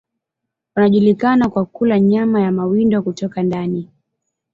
Wanajulikana kwa kula nyama ya mawindo kutoka ndani.